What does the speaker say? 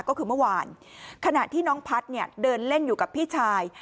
ก็คือเมื่อวานขณะที่น้องพัฒน์เนี่ยเดินเล่นอยู่กับพี่ชาย